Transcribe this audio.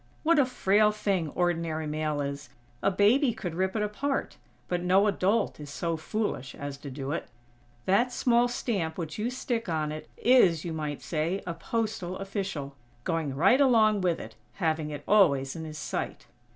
What a frail thing ordinary mail is! A baby could rip it apart, but no adult is so foolish as to do it. That small stamp which you stick on it, is, you might say, a postal official, going right along with it, having it always in his sight."